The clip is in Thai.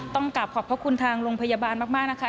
ต้องกลับขอบพระคุณทางโรงพยาบาลมากนะคะ